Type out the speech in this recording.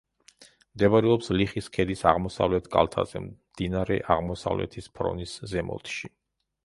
მდებარეობს ლიხის ქედის აღმოსავლეთ კალთაზე, მდინარე აღმოსავლეთის ფრონის ზემოთში.